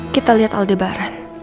kita lihat aldebaran